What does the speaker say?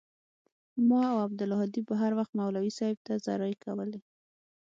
ما او عبدالهادي به هروخت مولوى صاحب ته زارۍ کولې.